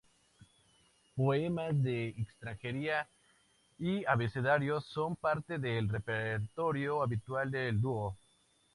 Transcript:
Poemas de "Extranjería" y "Abecedario" son parte del repertorio habitual del dúo.